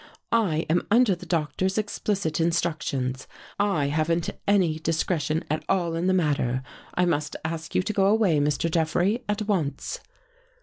' I am under the doctor's explicit instructions. I haven't any discretion at all in the matter. I must ask you to go away, Mr. Jeffrey, at once.